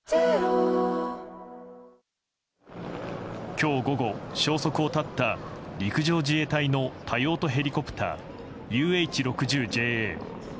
今日午後、消息を絶った陸上自衛隊の多用途ヘリコプターＵＨ６０ＪＡ。